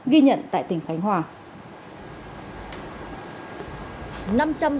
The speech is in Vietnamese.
ghi nhận tại tỉnh khánh hòa